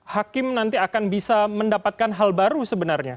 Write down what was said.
hakim nanti akan bisa mendapatkan hal baru sebenarnya